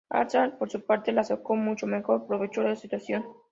Aznar por su parte, le sacó mucho mejor provecho a la situación.